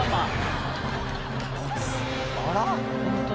あら？